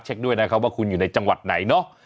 ด้วยนะครับว่าคุณอยู่ในจังหวัดไหนเนาะ